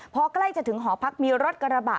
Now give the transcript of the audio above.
พอใกล้จะถึงหอพักมีรถกระบะ